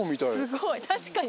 すごい確かに。